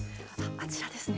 あちらですね。